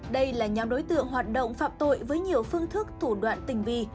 đây là nhóm đối tượng hoạt động phạm tội với nhiều phương thức thủ đoạn tình vi